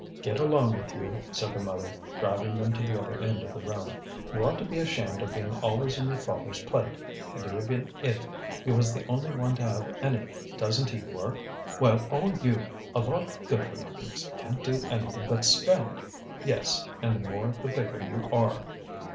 "Get along with you," said the mother, driving them to the other end of the room. "You ought to be ashamed of being always in your father's plate; and even if he was the only one to have any, doesn't he work, while all you, a lot of good for nothings, can't do anything but spend! Yes, and the more the bigger you are."